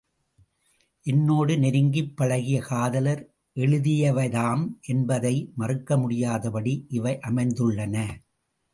என்னோடு நெருங்கிப் பழகிய காதலர் எழுதியவைதாம் என்பதை மறுக்க முடியாதபடி இவை அமைந்துள்ளன.